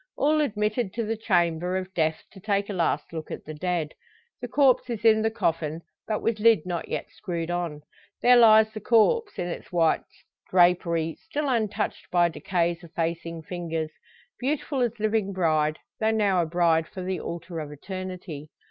All admitted to the chamber of death to take a last look at the dead. The corpse is in the coffin, but with lid not yet screwed on. There lies the corpse in its white drapery, still untouched by "decay's effacing fingers," beautiful as living bride, though now a bride for the altar of eternity.